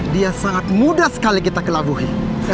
dia sangat mudah sekali kita kelabuhi